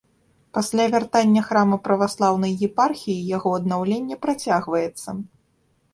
Пасля вяртання храма праваслаўнай епархіі яго аднаўленне працягваецца.